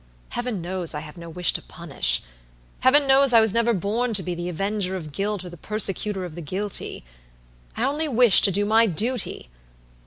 Heaven knows I have no wish to punish. Heaven knows I was never born to be the avenger of guilt or the persecutor of the guilty. I only wish to do my duty.